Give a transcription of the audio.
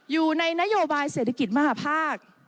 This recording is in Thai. อยู่ในนโยบายเศรษฐกิจมหาภาค